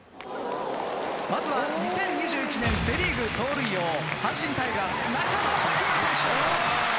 まずは２０２１年セ・リーグ盗塁王阪神タイガース中野拓夢選手。